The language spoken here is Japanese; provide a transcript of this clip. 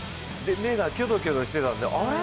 目がキョドキョドしていたんで、あれ？